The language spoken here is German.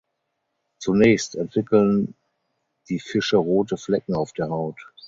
Zunächst entwickeln die Fische rote Flecken auf der Haut.